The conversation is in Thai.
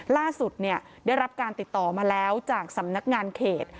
ล่าสุดได้รับการติดต่อมาแล้วจากสำนักงานเขต